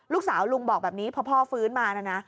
ลูกสาวลุงบอกแบบนี้พอพ่อฟื้นมานะนะ